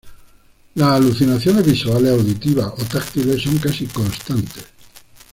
Las alucinaciones visuales, auditivas o táctiles son casi constantes.